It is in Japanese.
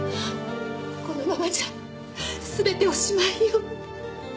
このままじゃ全ておしまいよ。